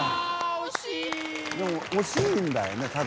惜しいんだよねただ。